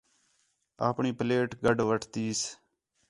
آپݨی پلیٹ گڈھ وٹھتیس